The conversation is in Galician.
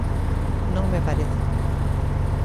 Non me parece.